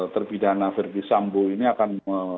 terpidana verdi sambo ini akan